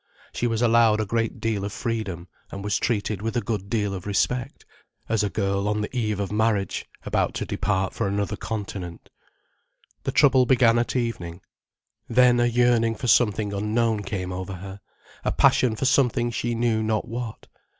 She was allowed a great deal of freedom and was treated with a good deal of respect, as a girl on the eve of marriage, about to depart for another continent. The trouble began at evening. Then a yearning for something unknown came over her, a passion for something she knew not what.